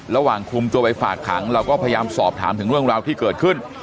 ระหว่างคุมตัวไปฝากขังเราก็พยายามสอบถามถึงเรื่องราวที่เกิดขึ้น